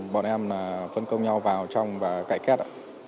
bọn em là phân công nhau vào trong và cải kết